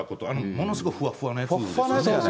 ものすごくふわふわのやつですよね。